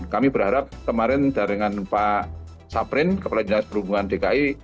kami berharap kemarin dengan pak saprin kepala dinas perhubungan dki